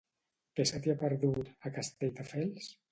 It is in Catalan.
Què se t'hi ha perdut, a Castelldefels?